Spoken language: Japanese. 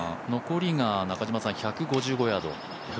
残りが１５５ヤード。